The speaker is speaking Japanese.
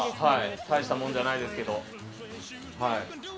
大したものじゃないですけど。